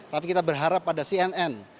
tapi kita berharap pada cnn